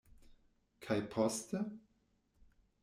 Kaj poste?